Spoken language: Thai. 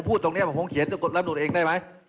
สถานการณ์จะไม่ไปจนถึงขั้นนั้นครับ